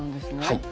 はい。